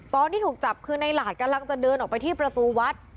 ตอนที่ถูกจับคือในหลาดกำลังจะเดินออกไปที่ประตูวัด